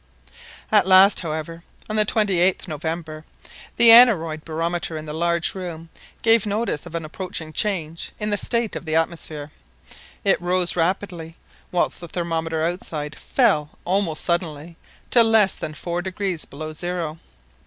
At last, however, on the 28th November the Aneroid barometer in the large room gave notice of an approaching change in the state of the atmosphere. It rose rapidly, whilst the thermometer outside fell almost suddenly to less than four degrees below zero.